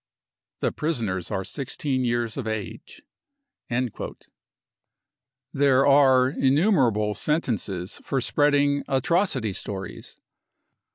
The prisoners are 16 years of age. 55 There are innumerable sentences for spreading 44 atro city stories."